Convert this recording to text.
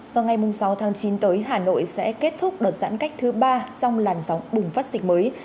vào ngày sáu tháng chín tới hà nội sẽ kết thúc đợt giãn cách thứ ba trong làn sóng bùng phát dịch mới